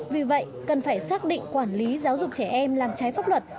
vì vậy cần phải xác định quản lý giáo dục trẻ em làm trái pháp luật